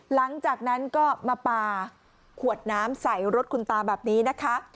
หลังจากนั้นก็มาปลาขวดน้ำใส่รถคุณตาแบบนี้นะคะ